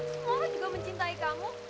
semua juga mencintai kamu